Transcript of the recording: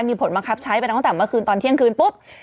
มีผลบังคับใช้ไปตั้งแต่เมื่อคืนตอนเที่ยงคืนปุ๊บ